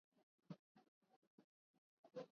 Both men served as mayor of Savannah.